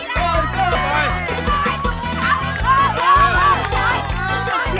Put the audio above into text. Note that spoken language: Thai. ต้องการจัดการ